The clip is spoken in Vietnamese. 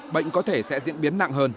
bệnh có thể sẽ diễn biến nặng hơn